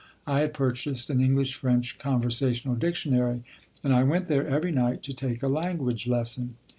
I had purchased an English French conversational dictionary, and I went there every night to take a language lesson.